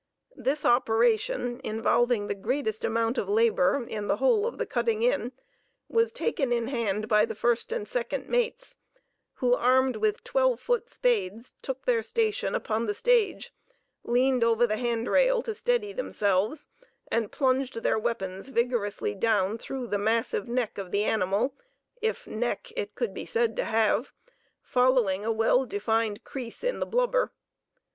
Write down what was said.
This operation, involving the greatest amount of labor in the whole of the cutting in, was taken in hand by the first and second mates, who, armed with twelve foot spades, took their station upon the stage, leaned over the handrail to steady themselves, and plunged their weapons vigorously down through the massive neck of the animal,—if neck it could be said to have,—following a well defined crease in the blubber.